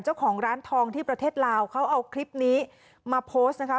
เจ้าของร้านทองที่ประเทศลาวเขาเอาคลิปนี้มาโพสต์นะคะ